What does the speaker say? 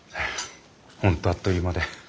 本当あっという間で。